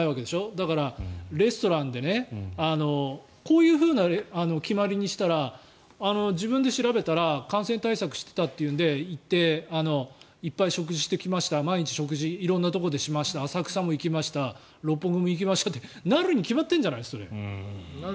だから、レストランでこういうふうな決まりにしたら自分で調べたら感染対策してたというので行っていっぱい食事してきました毎日、食事を色んなところでしました浅草に行きました六本木も行きましたってなるに決まってるんじゃない？